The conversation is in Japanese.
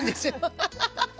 ハハハハ！